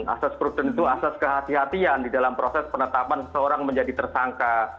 asas prudent itu asas kehatian di dalam proses penetapan seorang menjadi tersangka